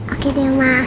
oke deh ma